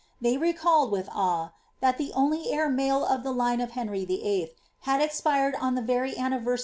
They recalled, with awe, that the ir male of the line of Henry VIII. had expired on the very anni i MS.